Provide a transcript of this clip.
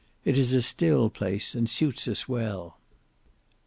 "It is a still place and suits us well."